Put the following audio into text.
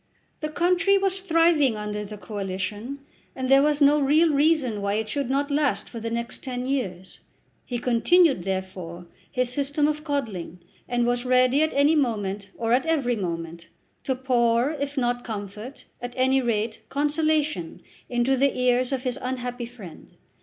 The country was thriving under the Coalition, and there was no real reason why it should not last for the next ten years. He continued, therefore, his system of coddling, and was ready at any moment, or at every moment, to pour, if not comfort, at any rate consolation into the ears of his unhappy friend.